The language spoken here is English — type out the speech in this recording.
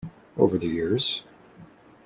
Over the years.